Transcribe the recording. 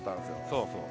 そうそう。